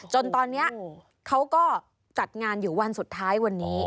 จนตอนนี้เขาก็จัดงานอยู่วันสุดท้ายวันนี้